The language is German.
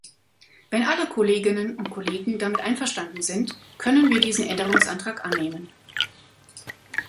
Wenn alle Kolleginnen und Kollegen damit einverstanden sind, können wir diesen Änderungsantrag annehmen.